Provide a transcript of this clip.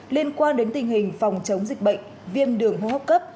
liên quan đến tình hình phòng chống dịch bệnh viêm đường hô hấp cấp